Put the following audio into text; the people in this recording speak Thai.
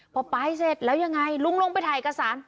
พอไปเสร็จแล้วยังไงลุงลงไปถ่ายเอกสาร